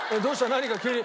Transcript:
何か急に。